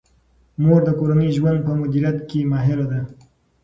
مور د کورني ژوند په مدیریت کې ماهر ده.